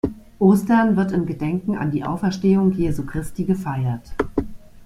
Ostern wird im Gedenken an die Auferstehung Jesu Christi gefeiert.